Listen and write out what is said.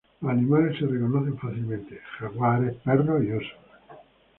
Los animales se reconocen fácilmente: jaguars, perros y osos.